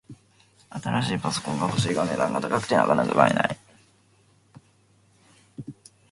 新しいパソコンが欲しいが、値段が高くてなかなか買えない